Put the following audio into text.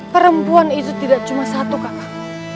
perempuan itu tidak cuma satu kakak